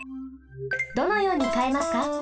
どのようにかえますか？